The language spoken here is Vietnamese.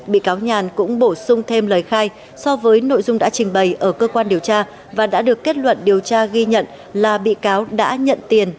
bị cáo nhàn cũng bổ sung thêm lời khai so với nội dung đã trình bày ở cơ quan điều tra và đã được kết luận điều tra ghi nhận là bị cáo đã nhận tiền